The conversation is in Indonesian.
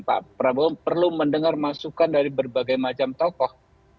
pak prabowo perlu mendengar masukan dari berbagai macam tokoh